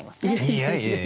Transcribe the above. いやいやいや。